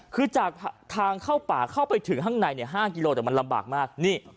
คือจากทางเข้าป่าเข้าไปถึงข้างใน๕กิโลแต่มันลำบากมากนี่